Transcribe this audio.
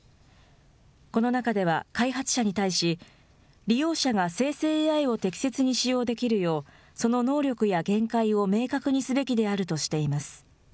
この中では、開発者に対し、利用者が生成ＡＩを適切に使用できるよう、その能力や限界を明確にすべきであるとしています。